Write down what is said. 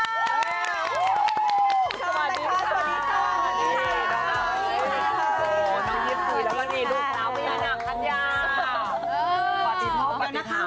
สวัสดีค่ะ